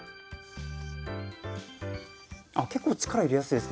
あ結構力入れやすいですねこれ。